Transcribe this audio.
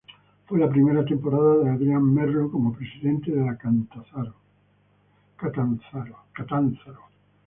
Fue la primera temporada de Adrian Merlo como presidente de la Catanzaro.